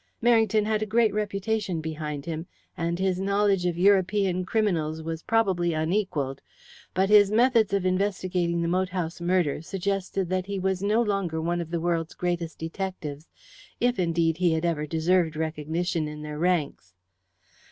Merrington had a great reputation behind him, and his knowledge of European criminals was probably unequalled, but his methods of investigating the moat house murder suggested that he was no longer one of the world's greatest detectives, if, indeed, he had ever deserved recognition in their ranks.